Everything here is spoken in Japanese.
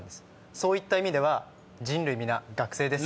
そういった意味では人類皆学生です。